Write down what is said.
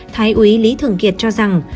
thái úy lý thường kiệt cho rằng